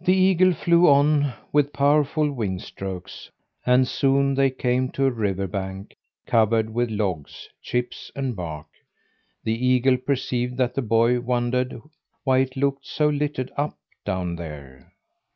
The eagle flew on with powerful wing strokes, and soon they came to a river bank covered with logs, chips, and bark. The eagle perceived that the boy wondered why it looked so littered up down there.